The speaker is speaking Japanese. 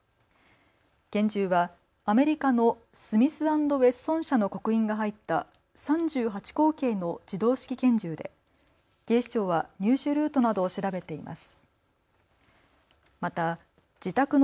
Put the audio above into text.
拳銃はアメリカのスミス＆ウェッソン社の刻印が入った３８口径の自動式拳銃で警視庁は入手ルートなどを調べています。